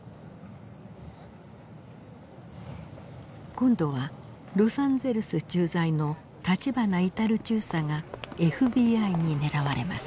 今度はロサンゼルス駐在の立花止中佐がＦＢＩに狙われます。